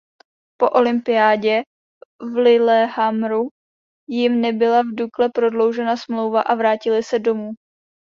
Po olympiádě v Lillehammeru jim nebyla v Dukle prodloužena smlouva a vrátili se domů.